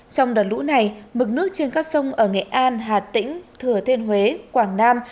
trong đợt lũ này mực nước trên các sông ở nghệ an hà tĩnh thừa thiên huế quảng nam